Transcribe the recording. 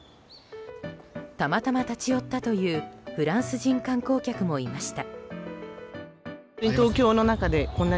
たまたま立ち寄ったというフランス人観光客もいました。